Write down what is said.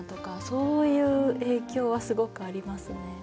そういう影響はすごくありますね。